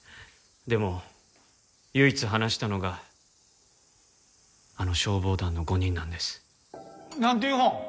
でも唯一話したのがあの消防団の５人なんです。なんていう本？